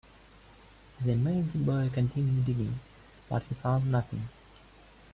They made the boy continue digging, but he found nothing.